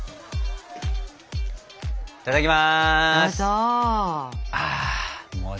いただきます。